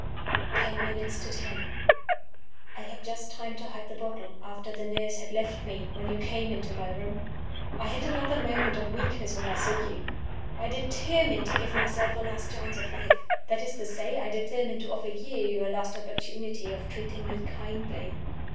"Ten minutes to ten. "I had just time to hide the bottle (after the nurse had left me) when you came into my room. "I had another moment of weakness when I saw you. I determined to give myself a last chance of life. That is to say, I determined to offer you a last opportunity of treating me kindly.